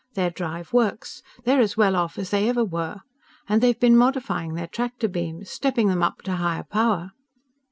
Their drive works. They're as well off as they ever were. And they've been modifying their tractor beams stepping them up to higher power."